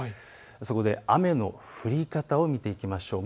そこで雨の降り方を見ていきましょう。